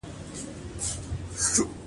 اضافي ارزښت پنځه ویشت میلیونه افغانۍ دی